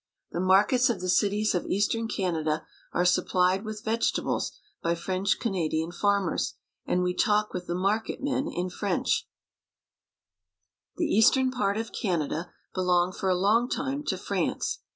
The markets of the cities of eastern Canada are supplied with vegetables by French Canadian farmers, and we talk with the marketmen in French, The eastern part of Canada belonged for a long time to France.